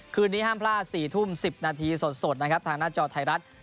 คืนนี้ห้ามพลาด๔ทุ่ม๑๐นาทีสดนะครับทางหน้าจอไทยรัฐ